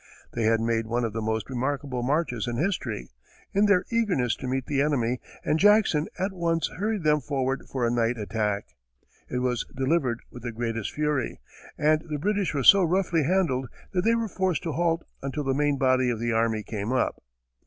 They had made one of the most remarkable marches in history, in their eagerness to meet the enemy, and Jackson at once hurried them forward for a night attack. It was delivered with the greatest fury, and the British were so roughly handled that they were forced to halt until the main body of the army came up.